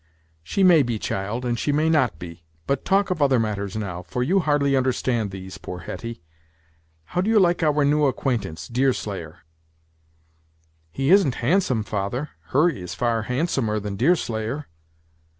"She may be, child, and she may not be. But talk of other matters now, for you hardly understand these, poor Hetty. How do you like our new acquaintance, Deerslayer?" "He isn't handsome, father. Hurry is far handsomer than Deerslayer."